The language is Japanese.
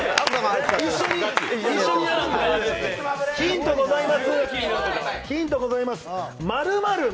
ヒントございます。